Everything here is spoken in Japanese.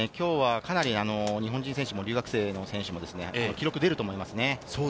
かなり日本人選手も留学生の選手も、記録が出ると思いますね。